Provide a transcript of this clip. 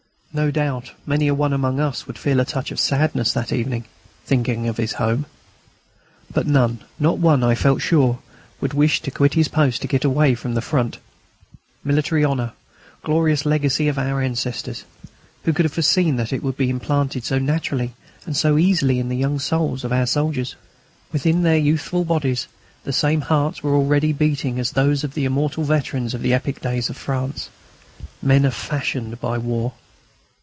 No doubt many a one among us would feel a touch of sadness that evening, thinking of his home. But none, not one, I felt sure, would wish to quit his post to get away from the Front. Military honour! glorious legacy of our ancestors! Who could have foreseen that it would be implanted so naturally and so easily in the young souls of our soldiers? Within their youthful bodies the same hearts were already beating as those of the immortal veterans of the epic days of France. Men are fashioned by war.